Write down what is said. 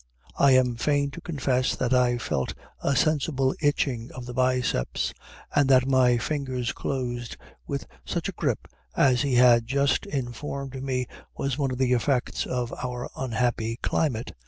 I am fain to confess that I felt a sensible itching of the biceps, and that my fingers closed with such a grip as he had just informed me was one of the effects of our unhappy climate.